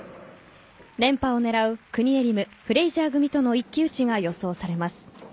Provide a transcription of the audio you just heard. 連覇を狙うクニエリム、フレイジャー組との一騎打ちが予想されます。